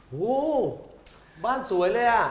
หูบ้านสวยเลยอ่ะ